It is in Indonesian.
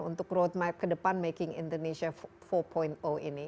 untuk roadmap ke depan making indonesia empat ini